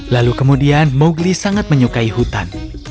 lalu kemudian mowgli sangat menyukai hutan